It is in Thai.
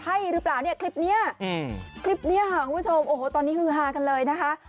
ใช่หรือเปล่าเนี่ยคลิปนี้คลิปนี้ค่ะคุณผู้ชมโอ้โหตอนนี้ฮือฮากันเลยนะคะ